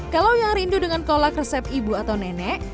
kalau yang rindu dengan kolak resep ibu atau nenek